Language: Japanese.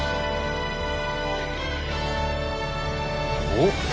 おっ？